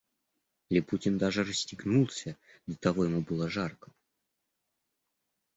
Липутин даже расстегнулся, до того ему было жарко.